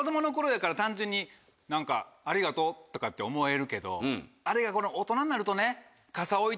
単純に。とかって思えるけどあれが大人になるとね。